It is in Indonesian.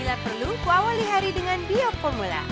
aku awal di hari dengan bioformula